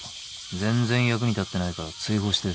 全然役に立ってないから追放して。